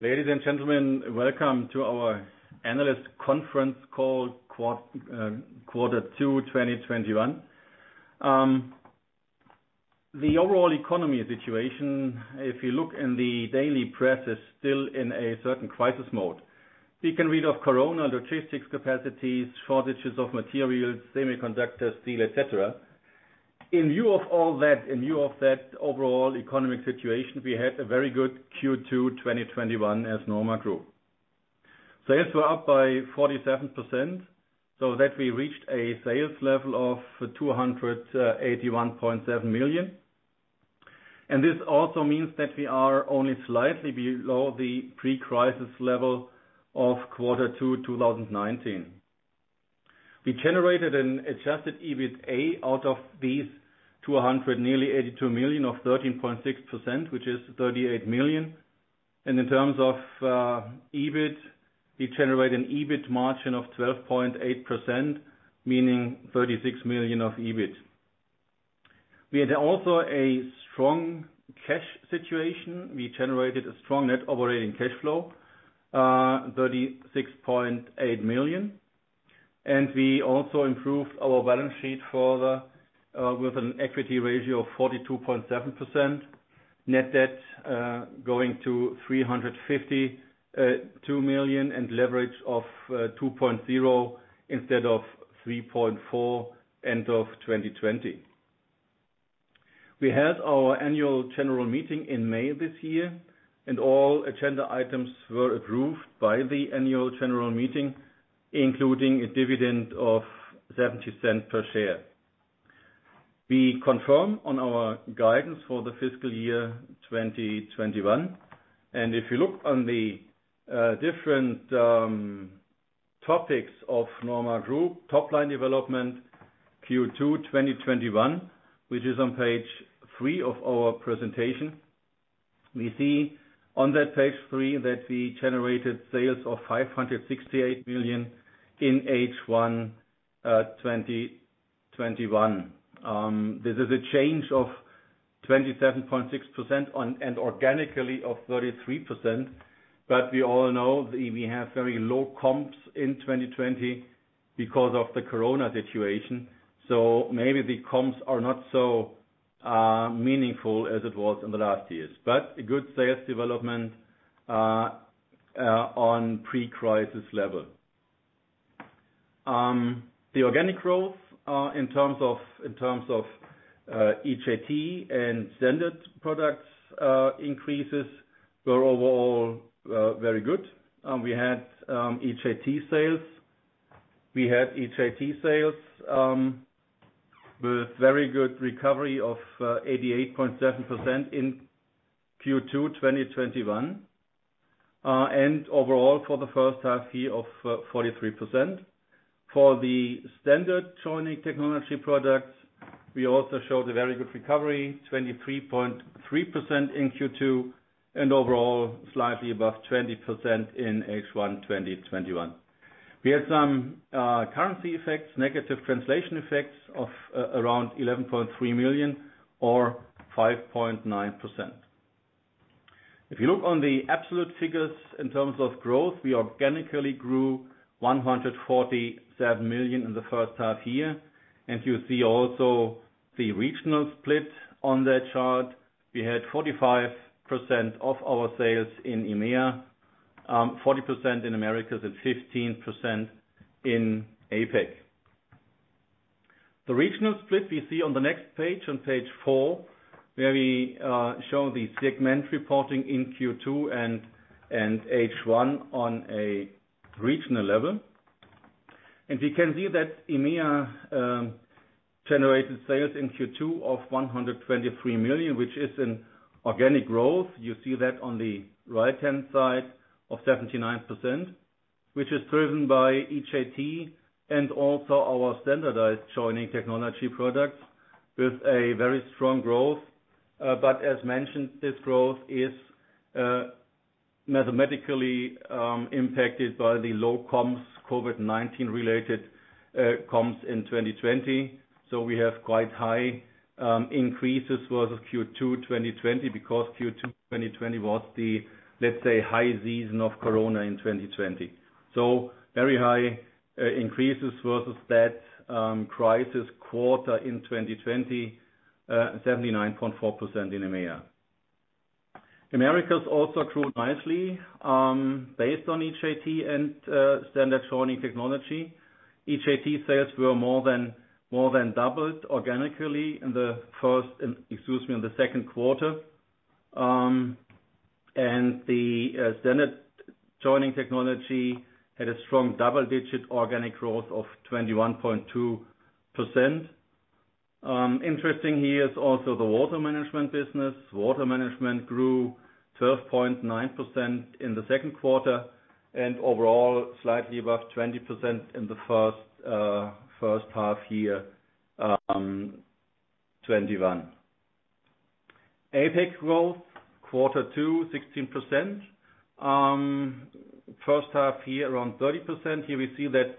Ladies and gentlemen, welcome to our analyst conference call, Q2 2021. The overall economic situation, if you look in the daily press, is still in a certain crisis mode. We can read of Corona, logistics capacities, shortages of materials, semiconductors, steel, et cetera. In view of all that, in view of that overall economic situation, we had a very good Q2 2021 as Norma Group. Sales were up by 47%, that we reached a sales level of 281.7 million. This also means that we are only slightly below the pre-crisis level of Q2 2019. We generated an adjusted EBITDA out of these nearly 282 million of 13.6%, which is 38 million. In terms of EBIT, we generate an EBIT margin of 12.8%, meaning 36 million of EBIT. We had also a strong cash situation. We generated a strong net operating cash flow, 36.8 million, and we also improved our balance sheet further, with an equity ratio of 42.7%. Net debt going to 352 million and leverage of 2.0 instead of 3.4 end of 2020. We had our annual general meeting in May this year, all agenda items were approved by the annual general meeting, including a dividend of 0.70 per share. We confirm on our guidance for the fiscal year 2021. If you look on the different topics of Norma Group, top line development, Q2 2021, which is on page three of our presentation. We see on that page three that we generated sales of 568 million in H1 2021. This is a change of 27.6% and organically of 33%. We all know we have very low comps in 2020 because of the Corona situation, so maybe the comps are not so meaningful as it was in the last years. A good sales development on pre-crisis level. The organic growth, in terms of EJT and standard products increases, were overall very good. We had EJT sales with very good recovery of 88.7% in Q2 2021. Overall, for the first half year of 43%. For the standard joining technology products, we also showed a very good recovery, 23.3% in Q2, and overall, slightly above 20% in H1 2021. We had some currency effects, negative translation effects of around 11.3 million or 5.9%. If you look on the absolute figures in terms of growth, we organically grew 147 million in the first half year. You see also the regional split on that chart. We had 45% of our sales in EMEA, 40% in Americas, and 15% in APAC. The regional split we see on the next page, on page four, where we show the segment reporting in Q2 and H1 on a regional level. We can see that EMEA generated sales in Q2 of 123 million, which is an organic growth. You see that on the right-hand side of 79%, which is driven by EJT and also our standardized joining technology products with a very strong growth. As mentioned, this growth is mathematically impacted by the low comps, COVID-19 related comps in 2020. We have quite high increases versus Q2 2020 because Q2 2020 was the, let's say, high season of Corona in 2020. Very high increases versus that crisis quarter in 2020, 79.4% in EMEA. Americas also grew nicely, based on EJT and standard joining technology. EJT sales were more than doubled organically in the second quarter. The standard joining technology had a strong double-digit organic growth of 21.2%. Interesting here is also the Water Management business. Water Management grew 12.9% in the second quarter and overall slightly above 20% in the first half year 2021. APAC growth quarter two, 16%. First half year, around 30%. Here we see that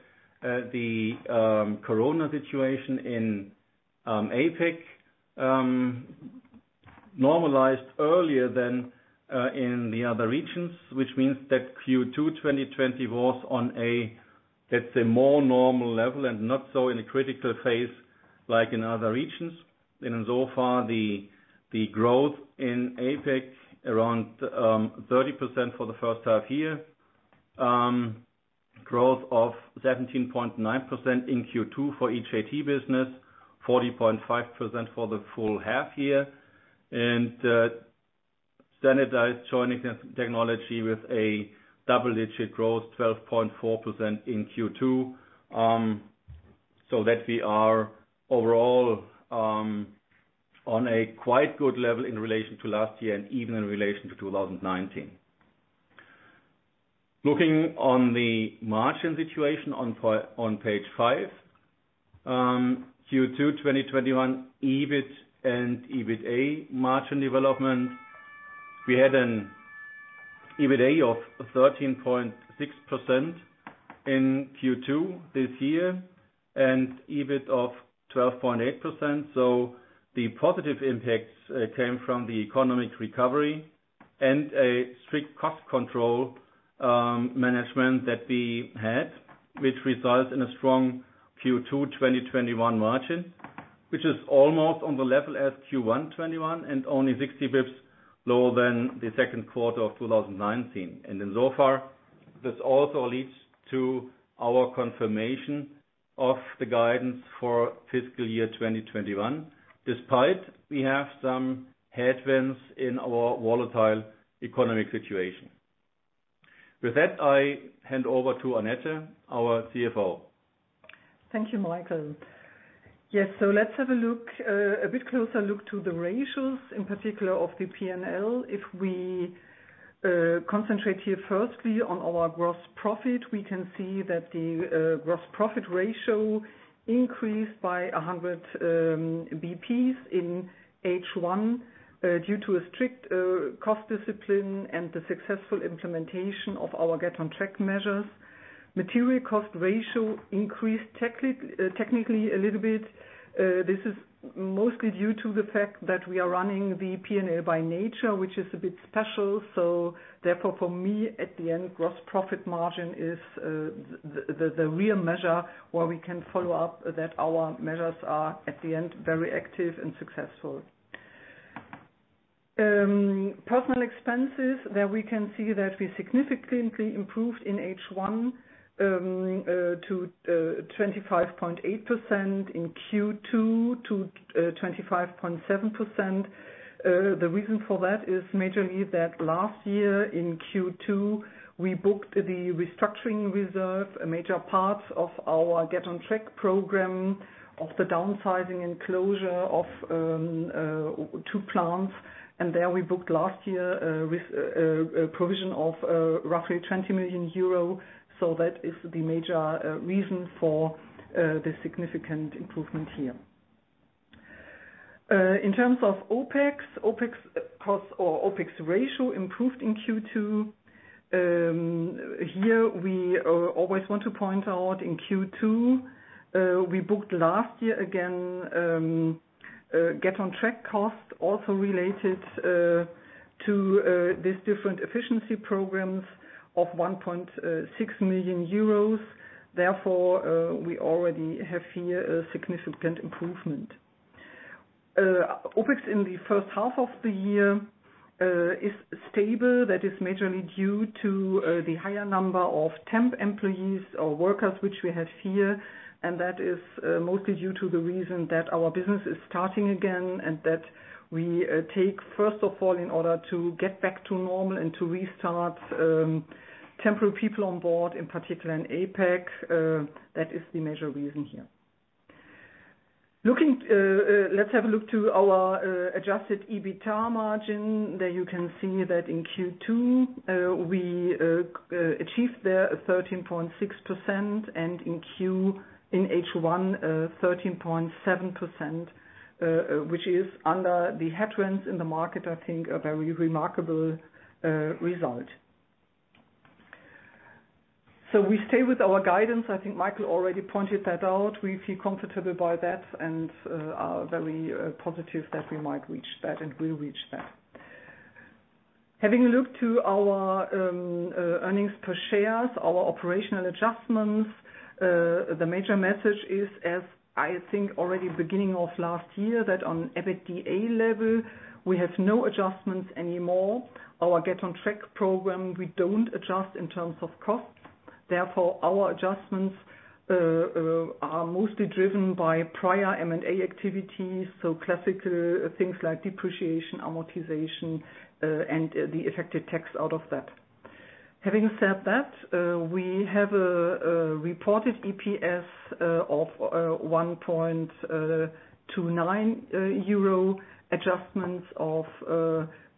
the COVID situation in APAC normalized earlier than in the other regions, which means that Q2 2020 was on a more normal level and not so in a critical phase like in other regions. In so far, the growth in APAC around 30% for the first half year. Growth of 17.9% in Q2 for EJT business, 40.5% for the full half year and standardized joining technology with a double-digit growth, 12.4% in Q2. That we are overall on a quite good level in relation to last year and even in relation to 2019. Looking on the margin situation on page five. Q2 2021, EBIT and EBITA margin development. We had an EBITA of 13.6% in Q2 this year and EBIT of 12.8%. The positive impacts came from the economic recovery and a strict cost control management that we had, which results in a strong Q2 2021 margin, which is almost on the level as Q1 2021 and only 60 basis points lower than the second quarter of 2019. In so far, this also leads to our confirmation of the guidance for fiscal year 2021, despite we have some headwinds in our volatile economic situation. With that, I hand over to Annette, our CFO. Thank you, Michael. Yes, let's have a bit closer look to the ratios, in particular of the P&L. If we concentrate here firstly on our gross profit, we can see that the gross profit ratio increased by 100 basis points in H1 due to a strict cost discipline and the successful implementation of our Get on Track measures. Material cost ratio increased technically a little bit. This is mostly due to the fact that we are running the P&L by nature, which is a bit special. Therefore, for me, at the end, gross profit margin is the real measure where we can follow up that our measures are, at the end, very active and successful. Personnel expenses, there we can see that we significantly improved in H1, to 25.8%, in Q2 to 25.7%. The reason for that is majorly that last year in Q2, we booked the restructuring reserve, a major part of our Get on Track program of the downsizing and closure of two plants. There we booked last year, a provision of roughly 20 million euro. That is the major reason for the significant improvement here. In terms of OPEX. OPEX ratio improved in Q2. Here we always want to point out in Q2, we booked last year again Get on Track costs also related to these different efficiency programs of 1.6 million euros. Therefore, we already have here a significant improvement. OPEX in the first half of the year, is stable. That is majorly due to the higher number of temp employees or workers, which we have here. That is mostly due to the reason that our business is starting again and that we take first of all, in order to get back to normal and to restart temporary people on board, in particular in APAC. That is the major reason here. Let's have a look to our adjusted EBITA margin. There you can see that in Q2, we achieved there 13.6% and in H1, 13.7%, which is under the headwinds in the market, I think a very remarkable result. We stay with our guidance. I think Michael already pointed that out. We feel comfortable by that and are very positive that we might reach that and will reach that. Having a look to our earnings per share, our operational adjustments. The major message is, as I think already beginning of last year, that on EBITDA level we have no adjustments anymore. Our Get on Track program, we don't adjust in terms of costs. Our adjustments are mostly driven by prior M&A activities. Classical things like depreciation, amortization, and the effective tax out of that. Having said that, we have a reported EPS of 1.29 euro, adjustments of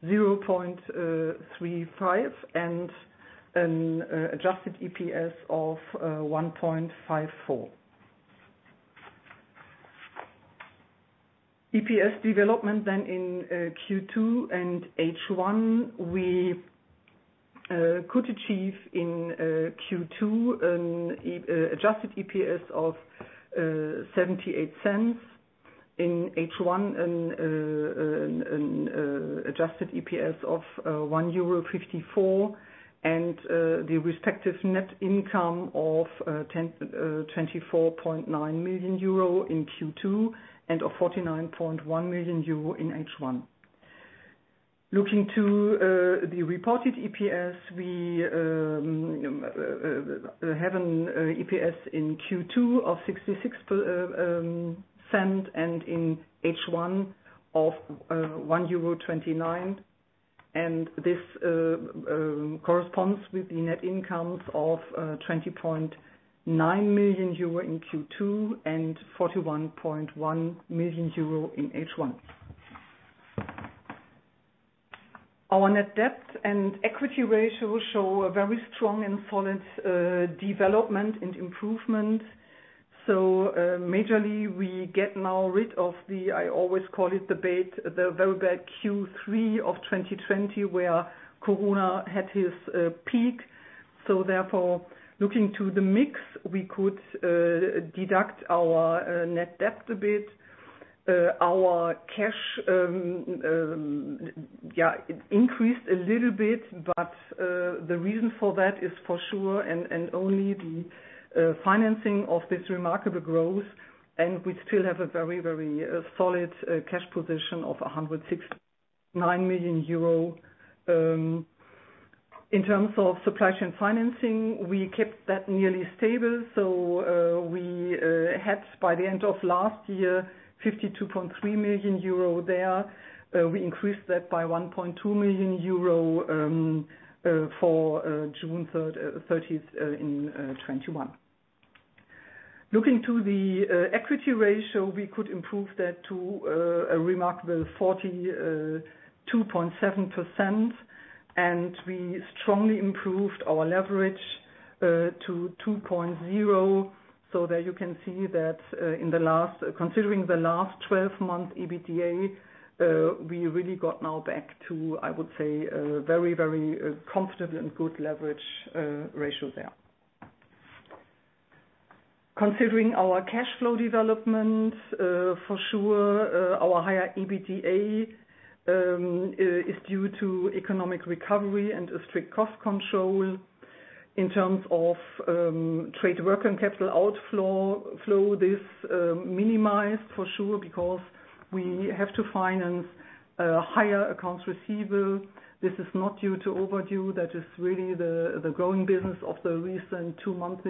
0.35 and an adjusted EPS of 1.54. EPS development in Q2 and H1, we could achieve in Q2 an adjusted EPS of 0.78. In H1, an adjusted EPS of 1.54 euro and the respective net income of 24.9 million euro in Q2 and of 49.1 million euro in H1. Looking to the reported EPS, we have an EPS in Q2 of 0.66 and in H1 of 1.29 euro, and this corresponds with the net incomes of 20.9 million euro in Q2 and 41.1 million euro in H1. Our net debt and equity ratio show a very strong and solid development and improvement. Majorly we get now rid of the, I always call it the very bad Q3 of 2020, where COVID had its peak. Therefore, looking to the mix, we could deduct our net debt a bit. Our cash increased a little bit, but the reason for that is for sure and only the financing of this remarkable growth, and we still have a very solid cash position of 169 million euro. In terms of supply chain financing, we kept that nearly stable. We had, by the end of last year, 52.3 million euro there. We increased that by 1.2 million euro for June 30th in 2021. Looking to the equity ratio, we could improve that to a remarkable 42.7%, and we strongly improved our leverage to 2.0. There you can see that considering the last 12 months EBITDA, we really got now back to, I would say, a very comfortable and good leverage ratio there. Considering our cash flow development, for sure, our higher EBITDA is due to economic recovery and a strict cost control. In terms of trade working capital outflow, this minimized for sure because we have to finance higher accounts receivable. This is not due to overdue. That is really the growing business of the recent two months.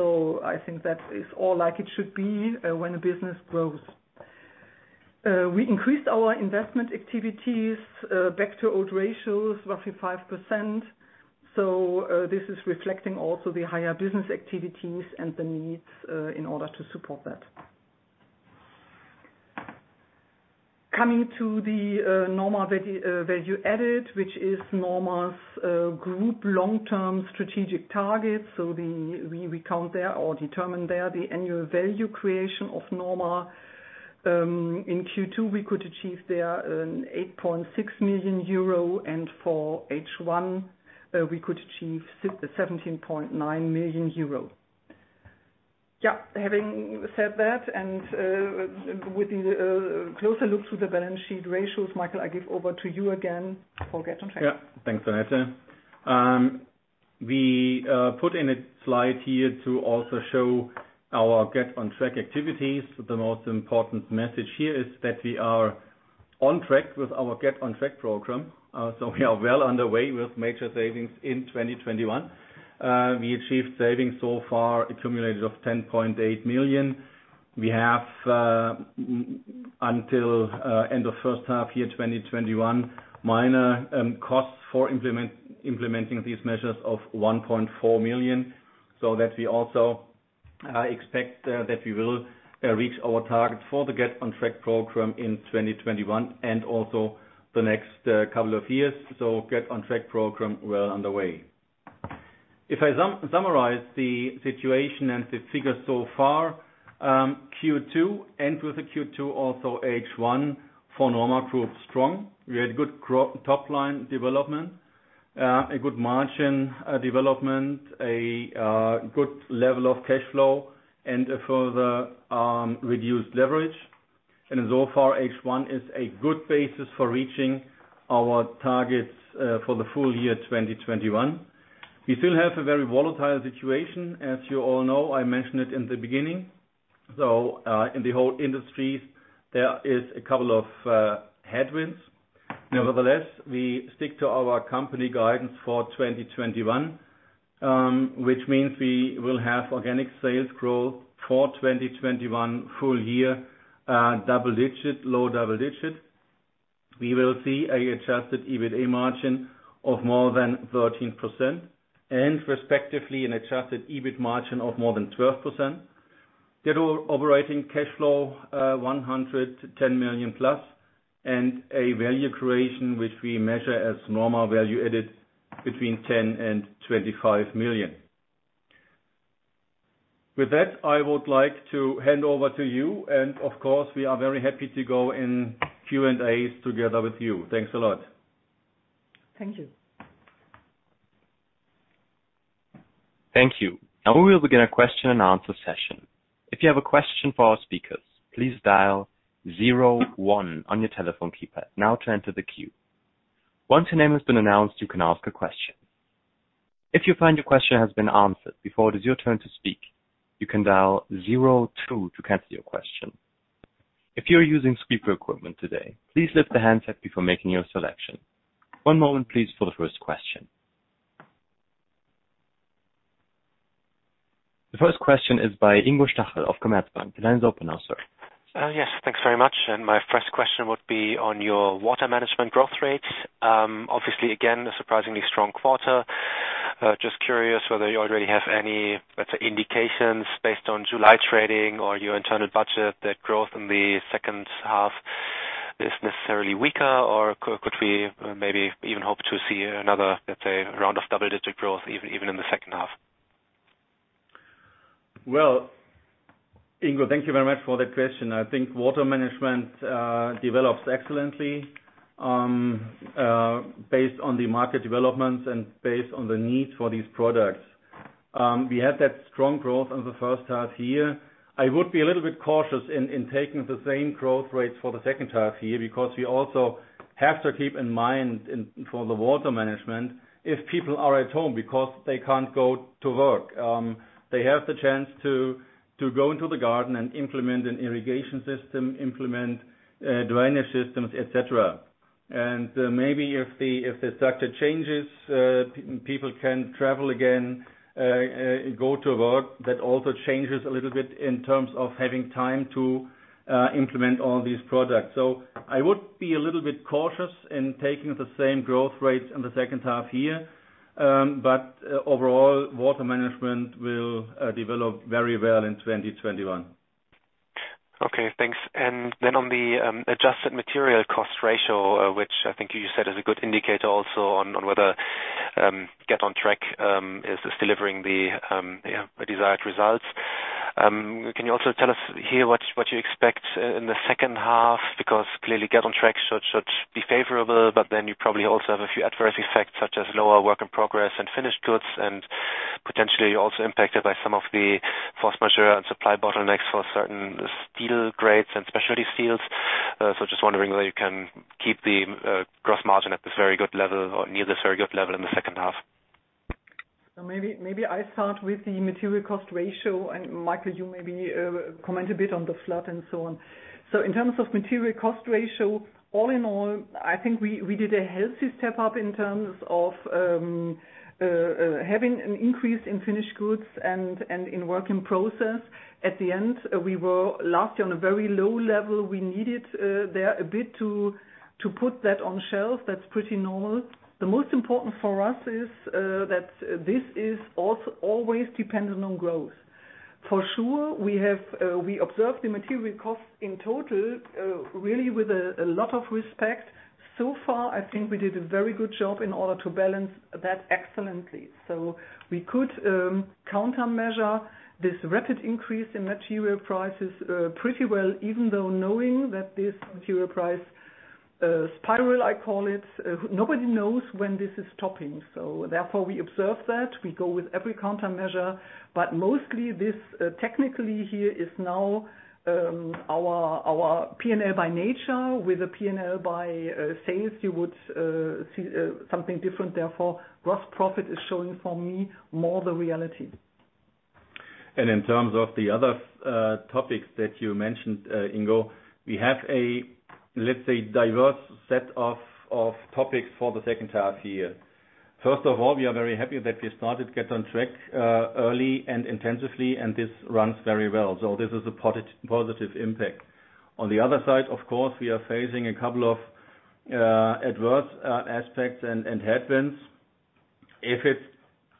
I think that is all like it should be when a business grows. We increased our investment activities back to old ratios, roughly 5%. This is reflecting also the higher business activities and the needs in order to support that. Coming to the Norma Value Added, which is Norma Group's long-term strategic target. We count there or determine there the annual value creation of Norma. In Q2, we could achieve there an 8.6 million euro, and for H1, we could achieve 17.9 million euro. Yeah, having said that, and with the closer look to the balance sheet ratios, Michael, I give over to you again for Get on Track. Yeah. Thanks, Annette. We put in a slide here to also show our Get on Track activities. The most important message here is that we are on Track with our Get on Track program. We are well underway with major savings in 2021. We achieved savings so far accumulated of 10.8 million. We have, until end of first half year 2021, minor costs for implementing these measures of 1.4 million, that we also expect that we will reach our target for the Get on Track program in 2021 and also the next couple of years. Get on Track program well underway. If I summarize the situation and the figures so far, Q2 and with the Q2 also H1 for Norma Group are strong. We had good top-line development, a good margin development, a good level of cash flow, and a further reduced leverage, and so far, H1 is a good basis for reaching our targets for the full year 2021. We still have a very volatile situation, as you all know. I mentioned it in the beginning. In the whole industry, there is a couple of headwinds. Nevertheless, we stick to our company guidance for 2021, which means we will have organic sales growth for 2021 full year, low double-digit. We will see an adjusted EBITA margin of more than 13% and respectively an adjusted EBIT margin of more than 12%. Net operating cash flow, 110 million plus, and a value creation which we measure as Norma Value Added between 10 million and 25 million. With that, I would like to hand over to you, and of course, we are very happy to go in Q&As together with you. Thanks a lot. Thank you. Thank you. And we will begin our question and answer session. If you have a question for our speaker, please dial zero one on your telephone keypad now to enter the queue. Once your name has been announced, you can ask your question. If you find your question has been answered before it is your turn to speak, you can dial zero two to cancel your question. If you are using speaker equipment today, please lift the handset before making your selection. One moment, please, for our first question. The first question is by Ingo Schachel of Commerzbank. The line's open now, sir. Yes, thanks very much. My first question would be on your Water Management growth rates. Obviously, again, a surprisingly strong quarter. Just curious whether you already have any, let's say, indications based on July trading or your internal budget that growth in the second half is necessarily weaker or could we maybe even hope to see another, let's say, round of double-digit growth even in the second half? Ingo, thank you very much for that question. I think Water Management develops excellently based on the market developments and based on the need for these products. We had that strong growth in the first half year. I would be a little bit cautious in taking the same growth rates for the second half year because we also have to keep in mind for the Water Management, if people are at home because they can't go to work. They have the chance to go into the garden and implement an irrigation system, implement drainage systems, et cetera. Maybe if the structure changes, people can travel again, go to work. That also changes a little bit in terms of having time to implement all these products. I would be a little bit cautious in taking the same growth rates in the second half year. Overall, Water Management will develop very well in 2021. Okay, thanks. On the adjusted material cost ratio, which I think you said is a good indicator also on whether Get on Track is delivering the desired results. Can you also tell us here what you expect in the second half? Clearly Get on Track should be favorable, you probably also have a few adverse effects such as lower work in progress and finished goods and potentially also impacted by some of the force majeure and supply bottlenecks for certain steel grades and specialty steels. Just wondering whether you can keep the gross margin at this very good level or near this very good level in the second half. Maybe I start with the material cost ratio and Michael, you maybe comment a bit on the flood and so on. In terms of material cost ratio, all in all, I think we did a healthy step up in terms of having an increase in finished goods and in work in process. At the end, we were lastly on a very low level. We needed there a bit to put that on shelf. That's pretty normal. The most important for us is that this is always dependent on growth. For sure, we observe the material cost in total really with a lot of respect. So far, I think we did a very good job in order to balance that excellently. We could countermeasure this rapid increase in material prices pretty well, even though knowing that this material price spiral, I call it, nobody knows when this is stopping. Therefore, we observe that, we go with every countermeasure, but mostly this technically here is now our P&L by nature. With a P&L by sales, you would see something different, therefore, gross profit is showing for me more the reality. In terms of the other topics that you mentioned, Ingo, we have a, let's say, diverse set of topics for the second half year. First of all, we are very happy that we started Get on Track early and intensively, this runs very well. This is a positive impact. On the other side, of course, we are facing a couple of adverse aspects and headwinds. If it's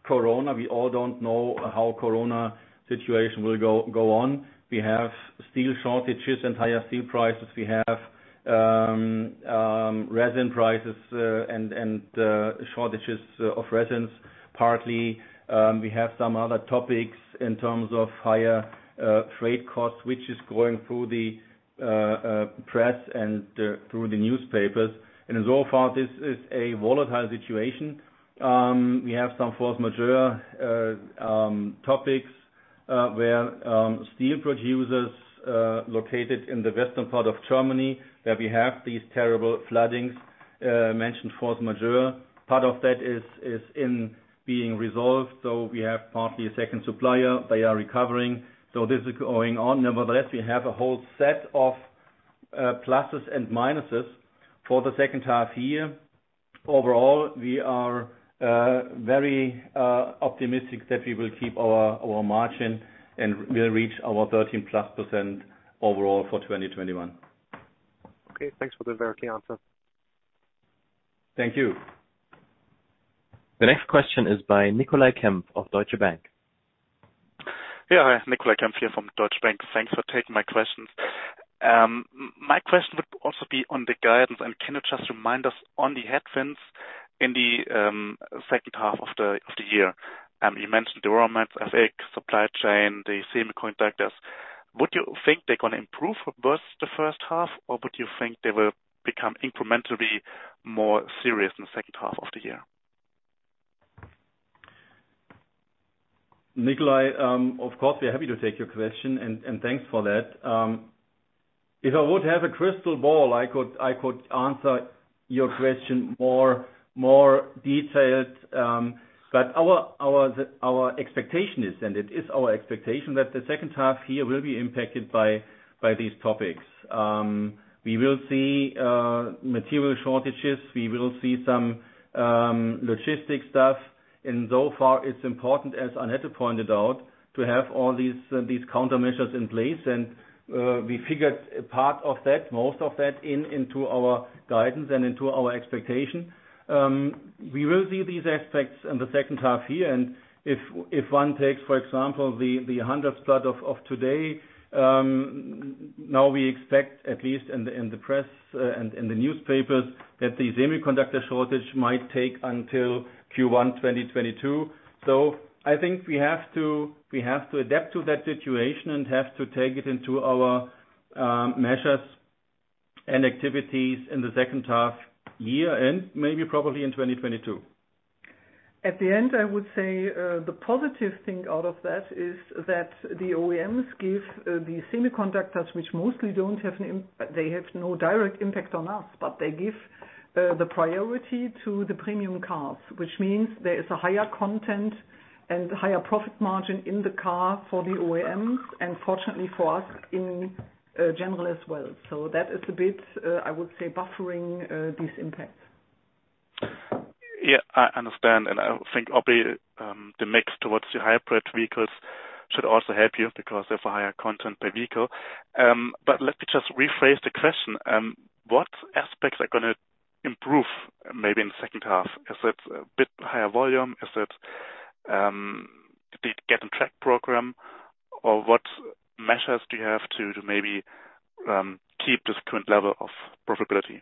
Corona, we all don't know how Corona situation will go on. We have steel shortages and higher steel prices. We have resin prices and shortages of resins. Partly, we have some other topics in terms of higher trade costs, which is going through the press and through the newspapers. As of now, this is a volatile situation. We have some force majeure topics where steel producers located in the western part of Germany, where we have these terrible floodings, mentioned force majeure. Part of that is in being resolved, so we have partly a second supplier. They are recovering. This is going on. Nevertheless, we have a whole set of pluses and minuses for the second half year. Overall, we are very optimistic that we will keep our margin and will reach our 13%+ overall for 2021. Okay, thanks for the very clear answer. Thank you. The next question is by Nicolai Kempf of Deutsche Bank. Yeah, hi. Nicolai Kempf here from Deutsche Bank. Thanks for taking my question. My question would also be on the guidance. Can you just remind us on the headwinds in the second half of the year? You mentioned the raw materials, supply chain, the semiconductors. Would you think they're going to improve versus the first half, or would you think they will become incrementally more serious in the second half of the year? Nicolai, of course, we are happy to take your question, and thanks for that. If I would have a crystal ball, I could answer your question more detailed. Our expectation is, and it is our expectation that the second half year will be impacted by these topics. We will see material shortages, we will see some logistic stuff, in so far it's important, as Annette pointed out, to have all these countermeasures in place, and we figured part of that, most of that into our guidance and into our expectation. We will see these aspects in the second half year, and if one takes, for example, the 100th slot of today, now we expect, at least in the press and in the newspapers, that the semiconductor shortage might take until Q1 2022. I think we have to adapt to that situation and have to take it into our measures and activities in the second half year and maybe probably in 2022. At the end, I would say, the positive thing out of that is that the OEMs give the semiconductors, they have no direct impact on us, but they give the priority to the premium cars, which means there is a higher content and higher profit margin in the car for the OEMs, and fortunately for us in general as well. That is a bit, I would say, buffering these impacts. Yeah, I understand. I think obviously, the mix towards the hybrid vehicles should also help you because there's a higher content per vehicle. Let me just rephrase the question. What aspects are going to improve maybe in the second half? Is it a bit higher volume? Is it the Get on Track program? What measures do you have to maybe keep this current level of profitability?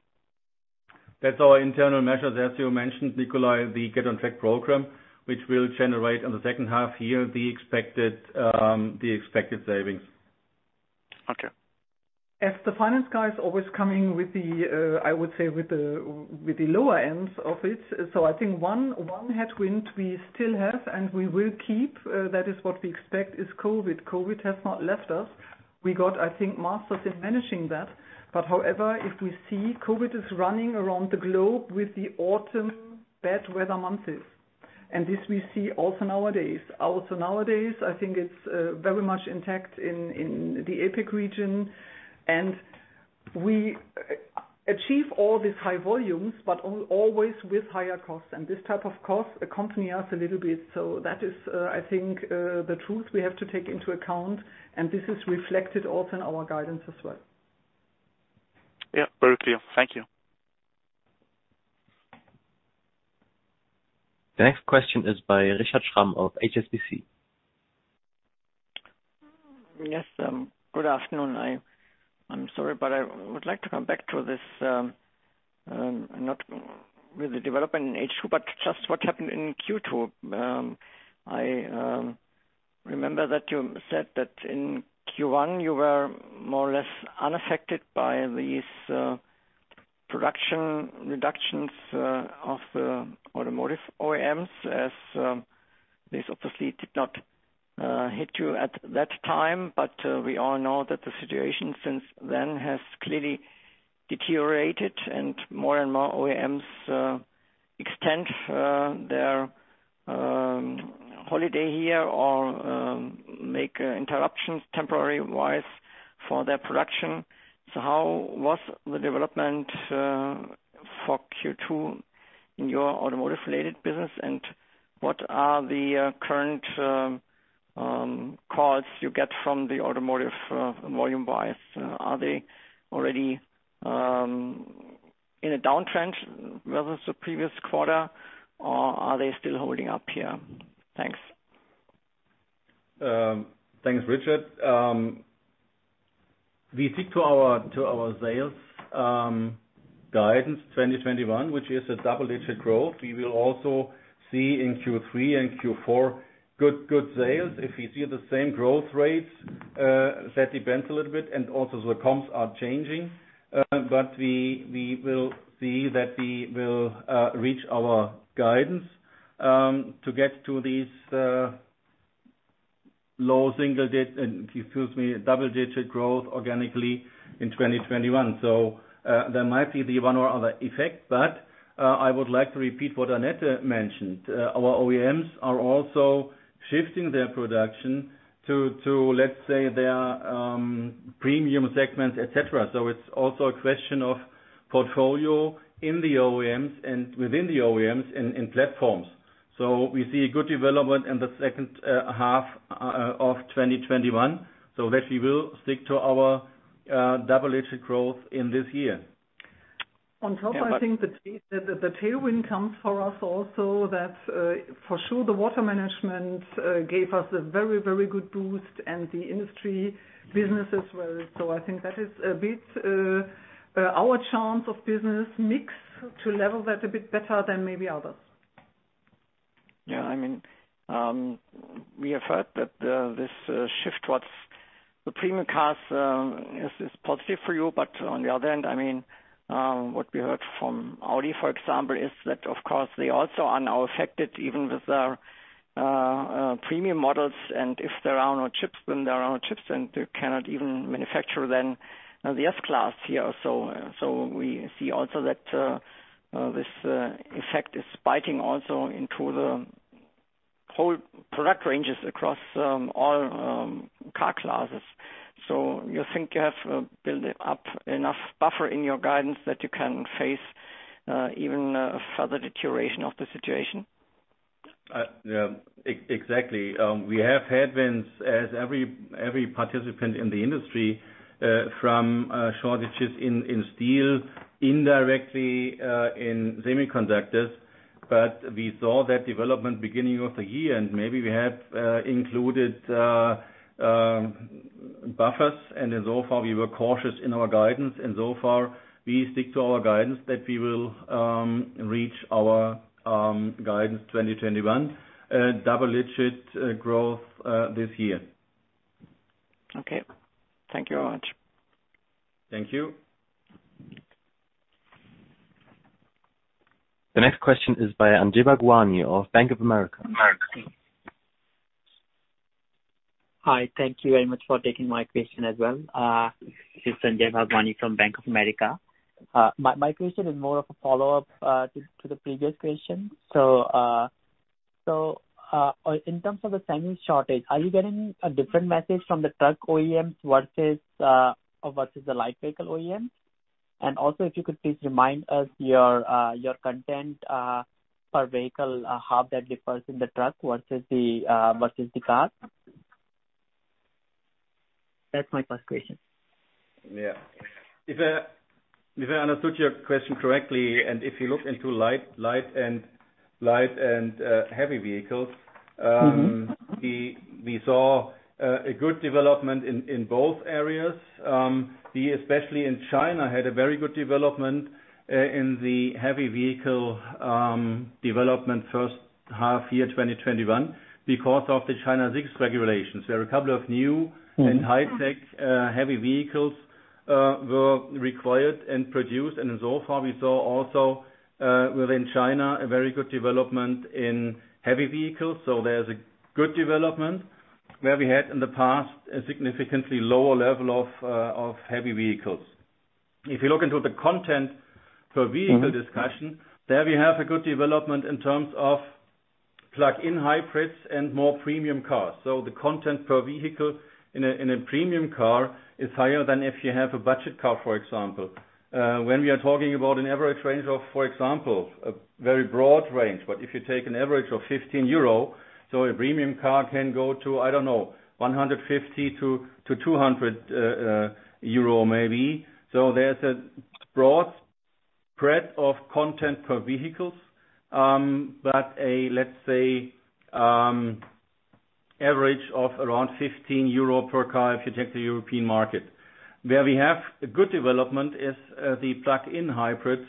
That's our internal measures, as you mentioned, Nicolai, the Get on Track program, which will generate on the second half year the expected savings. Okay. As the finance guy is always coming with the, I would say, with the lower ends of it. I think one headwind we still have, and we will keep, that is what we expect is COVID. COVID has not left us. We got, I think, masters in managing that. However, if we see COVID is running around the globe with the autumn bad weather months. This we see also nowadays. Also nowadays, I think it's very much intact in the APAC region. We achieve all these high volumes, but always with higher costs. This type of cost accompany us a little bit. That is, I think, the truth we have to take into account, and this is reflected also in our guidance as well. Yeah, very clear. Thank you. The next question is by Richard Schramm of HSBC. Good afternoon. I'm sorry, but I would like to come back to this, not with the development in H2, but just what happened in Q2. I remember that you said that in Q1, you were more or less unaffected by these production reductions of the automotive OEMs, as this obviously did not hit you at that time. We all know that the situation since then has clearly deteriorated and more and more OEMs extend their holiday here or make interruptions temporary-wise for their production. How was the development for Q2 in your automotive-related business, and what are the current calls you get from the automotive volume-wise? Are they already in a downtrend versus the previous quarter, or are they still holding up here? Thanks. Thanks, Richard. We stick to our sales guidance 2021, which is a double-digit growth. We will also see in Q3 and Q4 good sales. If we see the same growth rates, that depends a little bit, and also the comps are changing. We will see that we will reach our guidance, to get to these double-digit growth organically in 2021. There might be the one or other effect, but, I would like to repeat what Annette mentioned. Our OEMs are also shifting their production to let's say their premium segment, et cetera. It's also a question of portfolio in the OEMs and within the OEMs in platforms. We see a good development in the second half of 2021, so that we will stick to our double-digit growth in this year. On top, I think the tailwind comes for us also that, for sure, the Water Management gave us a very good boost and the industry business as well. I think that is a bit our chance of business mix to level that a bit better than maybe others. We have heard that this shift towards the premium cars is positive for you. On the other end, what we heard from Audi, for example, is that, of course, they also are now affected even with their premium models, and if there are no chips, then there are no chips, and they cannot even manufacture then the S-Class here. We see also that this effect is biting also into the whole product ranges across all car classes. You think you have built up enough buffer in your guidance that you can face even further deterioration of the situation? Yeah. Exactly. We have headwinds as every participant in the industry, from shortages in steel, indirectly in semiconductors. We saw that development beginning of the year, and maybe we have included buffers, and insofar we were cautious in our guidance. So far, we stick to our guidance that we will reach our guidance 2021, double-digit growth this year. Okay. Thank you very much. Thank you. The next question is by Sanjay Bhagwani of Bank of America. Hi. Thank you very much for taking my question as well. This is Sanjay Bhagwani from Bank of America. My question is more of a follow-up to the previous question. In terms of the semi shortage, are you getting a different message from the truck OEMs versus the light vehicle OEM? Also, if you could please remind us your content per vehicle how that differs in the truck versus the car. That's my first question. Yeah. If I understood your question correctly, and if you look into light and heavy vehicles. We saw a good development in both areas. We, especially in China, had a very good development in the heavy vehicle development first half year 2021, because of the China six regulations, where a couple of new and high-tech heavy vehicles were required and produced. Insofar, we saw also, within China, a very good development in heavy vehicles. There's a good development where we had in the past a significantly lower level of heavy vehicles. If you look into the content per vehicle discussion, there we have a good development in terms of plug-in hybrids and more premium cars. The content per vehicle in a premium car is higher than if you have a budget car, for example. When we are talking about an average range of, for example, a very broad range, but if you take an average of 15 euro, so a premium car can go to, I don't know, 150-200 euro maybe. There's a broad spread of content per vehicles. Let's say, average of around 15 euro per car if you take the European market. Where we have a good development is the plug-in hybrids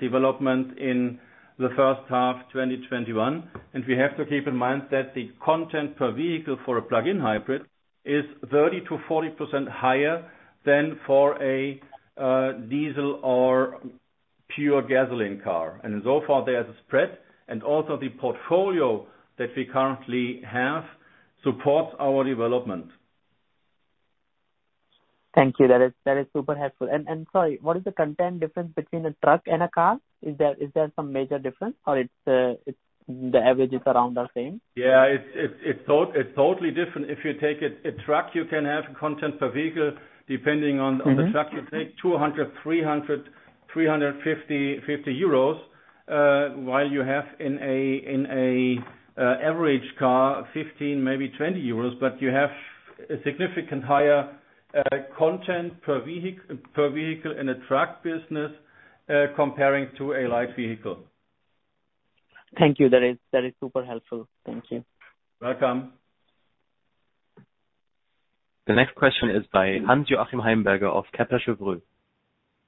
development in the first half 2021. We have to keep in mind that the content per vehicle for a plug-in hybrid is 30%-40% higher than for a diesel or pure gasoline car. Insofar, there's a spread, and also the portfolio that we currently have supports our development. Thank you. That is super helpful. Sorry, what is the content difference between a truck and a car? Is there some major difference or the average is around the same? Yeah. It is totally different. If you take a truck, you can have content per vehicle, depending on the truck. You take 200, 300, 350 euros, while you have in an average car, 15, maybe 20 euros. You have a significant higher content per vehicle in a truck business, comparing to a light vehicle. Thank you. That is super helpful. Thank you. Welcome. The next question is by Hans-Joachim Heimbürger of Berenberg.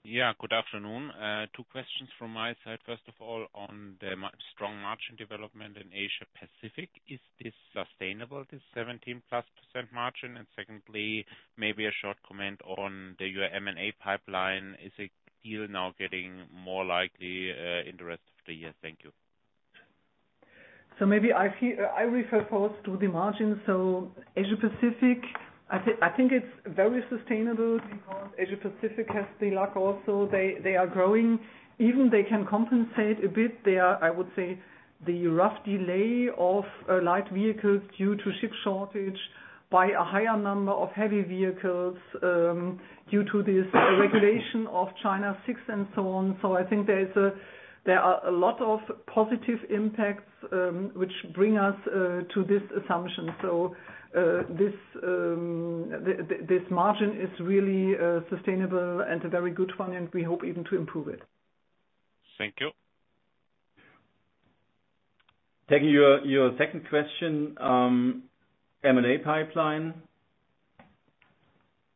Yeah. Good afternoon. Two questions from my side. First of all, on the strong margin development in Asia Pacific. Is this sustainable, this 17 plus % margin? Secondly, maybe a short comment on your M&A pipeline. Is a deal now getting more likely in the rest of the year? Thank you. Maybe I refer first to the margin. Asia Pacific, I think it's very sustainable because Asia Pacific has the luck also. They are growing. Even they can compensate a bit their, I would say, the rough delay of light vehicles due to chip shortage by a higher number of heavy vehicles, due to this regulation of China 6 and so on. I think there are a lot of positive impacts, which bring us to this assumption. This margin is really sustainable and a very good one, and we hope even to improve it. Thank you. Taking your second question, M&A pipeline.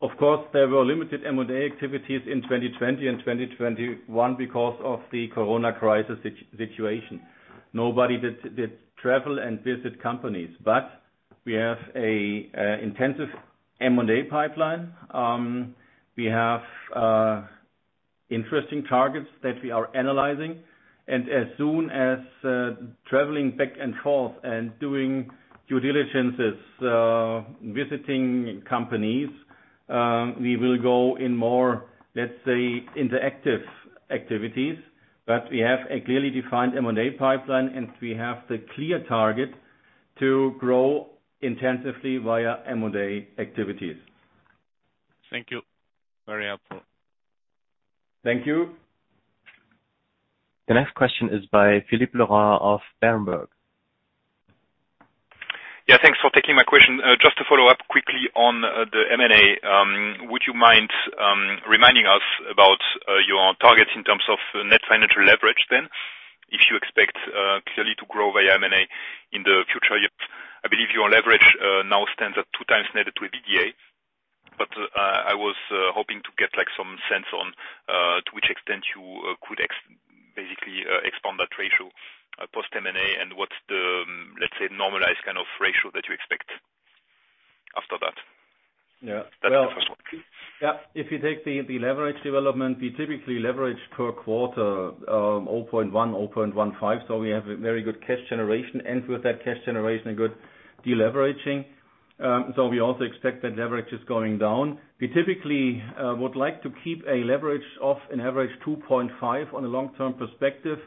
Of course, there were limited M&A activities in 2020 and 2021 because of the Corona crisis situation. Nobody did travel and visit companies, but we have an intensive M&A pipeline. We have interesting targets that we are analyzing, and as soon as traveling back and forth and doing due diligences, visiting companies, we will go in more, let's say, interactive activities. We have a clearly defined M&A pipeline, and we have the clear target to grow intensively via M&A activities. Thank you. Very helpful. Thank you. The next question is by Philippe Lorrain of Berenberg. Yeah. Thanks for taking my question. Just to follow up quickly on the M&A, would you mind reminding us about your targets in terms of net financial leverage then? If you expect clearly to grow via M&A in the future years. I believe your leverage now stands at two times net to EBITDA. I was hoping to get some sense on to which extent you could basically expand that ratio post M&A and what's the, let's say, normalized kind of ratio that you expect after that? Yeah. That's the first one. Yeah. If you take the leverage development, we typically leverage per quarter, 0.1, 0.15. We have a very good cash generation, and with that cash generation, a good deleveraging. We also expect that leverage is going down. We typically would like to keep a leverage of an average 2.5 on a long-term perspective,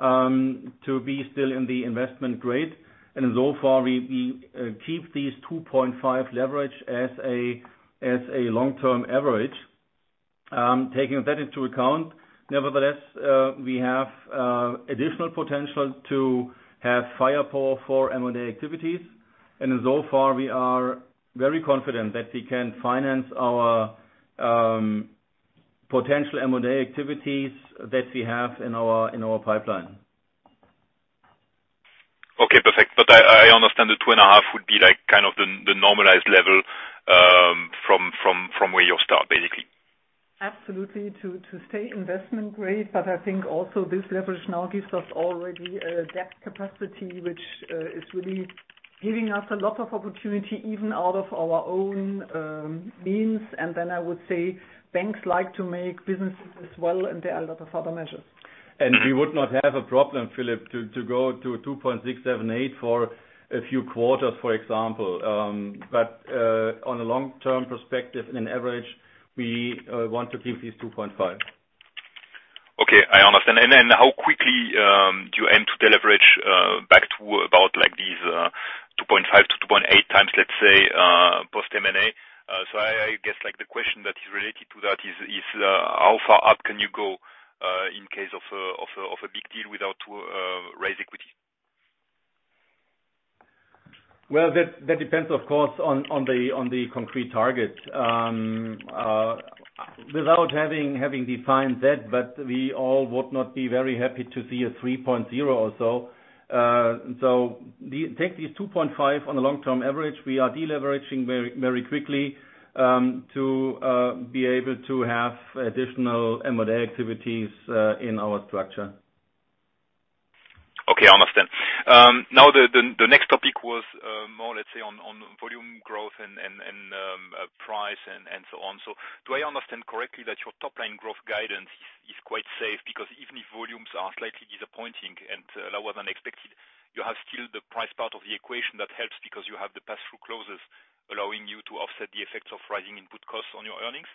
to be still in the investment grade. Insofar, we keep these 2.5 leverage as a long-term average. Taking that into account, nevertheless, we have additional potential to have firepower for M&A activities. Insofar, we are very confident that we can finance our potential M&A activities that we have in our pipeline. Okay, perfect. I understand the 2.5 would be the normalized level from where you'll start, basically. Absolutely, to stay investment grade. I think also this leverage now gives us already a debt capacity, which is really giving us a lot of opportunity, even out of our own means. I would say, banks like to make businesses as well, and there are a lot of other measures. We would not have a problem, Philippe, to go to 2.678 for a few quarters, for example. On a long-term perspective, on average, we want to keep this 2.5. Okay. I understand. How quickly do you aim to deleverage back to about these 2.5x-2.8x, let's say, post M&A? I guess the question that is related to that is how far up can you go in case of a big deal without raise equity? Well, that depends, of course, on the concrete target. Without having defined that, we all would not be very happy to see a 3.0 or so. Take these 2.5 on a long-term average. We are deleveraging very quickly, to be able to have additional M&A activities in our structure. Understand. The next topic was more, let's say on volume growth and price and so on. Do I understand correctly that your top-line growth guidance is quite safe? Even if volumes are slightly disappointing and lower than expected, you have still the price part of the equation that helps because you have the pass-through clauses allowing you to offset the effects of rising input costs on your earnings?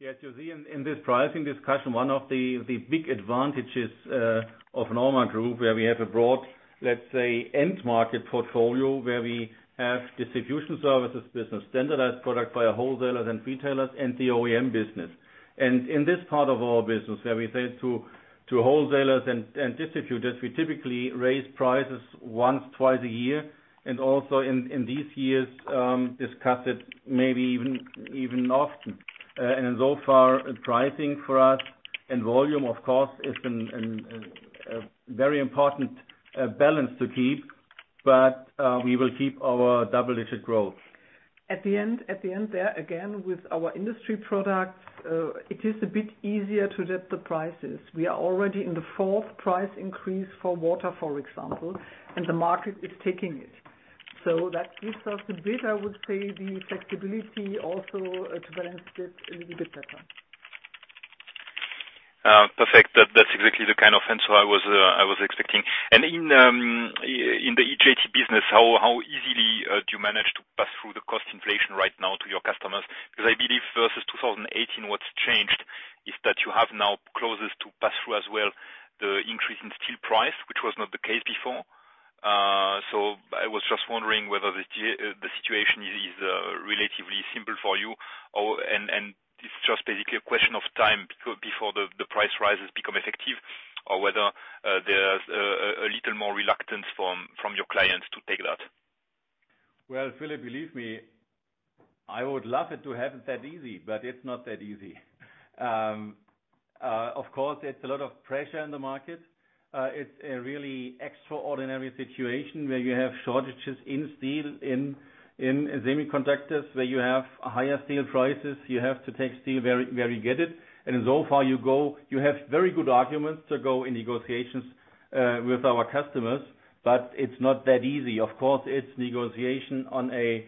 Yes, you see in this pricing discussion, one of the big advantages of Norma Group, where we have a broad, let's say, end market portfolio, where we have distribution services business, standardized product by our wholesalers and retailers, and the OEM business. In this part of our business, where we sell to wholesalers and distributors, we typically raise prices once, twice a year, and also in these years, discuss it maybe even often. Insofar, pricing for us and volume, of course, is a very important balance to keep, but we will keep our double-digit growth. At the end there, again, with our industry products, it is a bit easier to lift the prices. We are already in the fourth price increase for Water, for example, and the market is taking it. That gives us a bit, I would say, the flexibility also to balance it a little bit better. Perfect. That's exactly the kind of answer I was expecting. In the EJT business, how easily do you manage to pass through the cost inflation right now to your customers? I believe versus 2018, what's changed is that you have now clauses to pass through as well the increase in steel price, which was not the case before. I was just wondering whether the situation is relatively simple for you and it's just basically a question of time before the price rises become effective, or whether there's a little more reluctance from your clients to take that? Well, Philippe, believe me, I would love it to have it that easy, but it's not that easy. It's a lot of pressure in the market. It's a really extraordinary situation where you have shortages in steel, in semiconductors, where you have higher steel prices. You have to take steel where you get it. Insofar you go, you have very good arguments to go in negotiations with our customers. It's not that easy. It's negotiation on a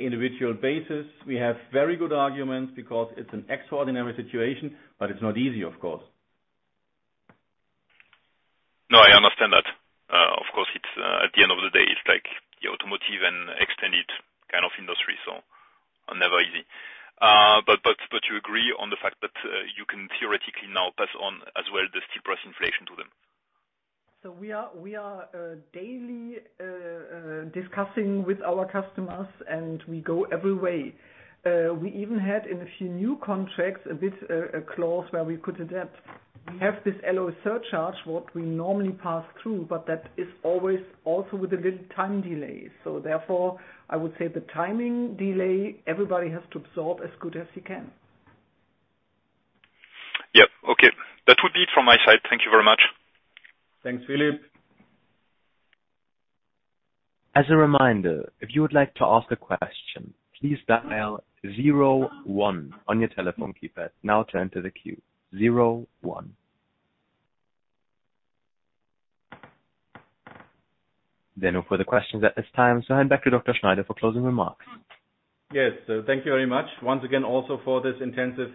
individual basis. We have very good arguments because it's an extraordinary situation, it's not easy, of course. I understand that. Of course, at the end of the day, it's the automotive and extended kind of industry, are never easy. You agree on the fact that you can theoretically now pass on as well the steel price inflation to them? We are daily discussing with our customers, and we go every way. We even had in a few new contracts, a clause where we could adapt. We have this LME surcharge, what we normally pass through, but that is always also with a little time delay. Therefore, I would say the timing delay, everybody has to absorb as good as he can. Yep. Okay. That would be it from my side. Thank you very much. Thanks, Philippe. As a reminder, if you would like to ask a question, please dial zero one on your telephone keypad. Now to enter the queue, zero one There are no further questions at this time, so I hand back to Dr. Schneider for closing remarks. Yes. Thank you very much once again also for this intensive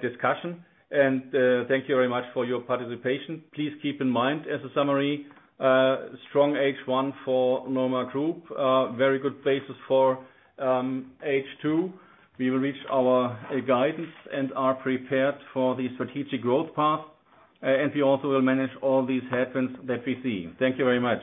discussion, and thank you very much for your participation. Please keep in mind as a summary, strong H1 for Norma Group, very good basis for H2. We will reach our guidance and are prepared for the strategic growth path, and we also will manage all these headwinds that we see. Thank you very much.